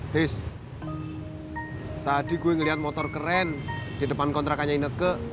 tis tadi gua ngeliat motor keren di depan kontrakannya ineke